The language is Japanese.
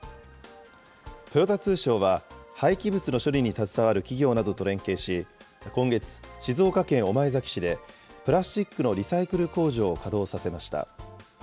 豊田通商は、廃棄物の処理に携わる企業などと連携し、今月、静岡県御前崎市でプラスチックのリサイクル工場を稼働させました。